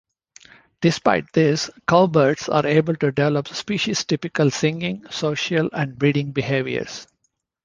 Despite this, cowbirds are able to develop species-typical singing, social, and breeding behaviors.